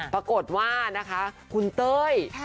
ปรากฏว่าคุณเต้ย